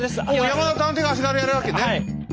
山田探偵が足軽やるわけね。